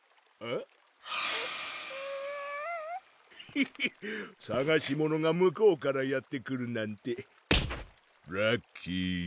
ヒヒッさがし物が向こうからやって来るなんてラッキー！